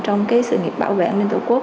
trong cái sự nghiệp bảo vệ an ninh tổ quốc